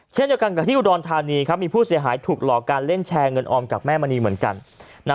เช่นเดียวกันกับที่อุดรธานีครับมีผู้เสียหายถูกหลอกการเล่นแชร์เงินออมกับแม่มณีเหมือนกัน